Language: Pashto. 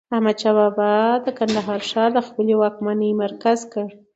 احمد شاه بابا د کندهار ښار د خپلي واکمنۍ مرکز کړ.